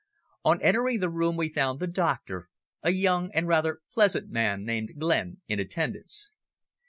On entering the room we found the doctor, a young and rather pleasant man named Glenn, in attendance.